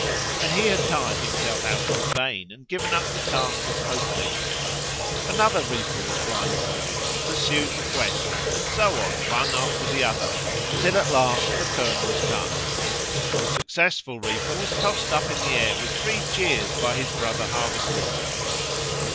When he had tired himself out in vain and given up the task as hopeless, another reaper was blindfolded and pursued the quest, and so on, one after the other, till at last the kirn was cut. The successful reaper was tossed up in the air with three cheers by his brother harvesters.